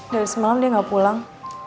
dari semalam dia nggak pulang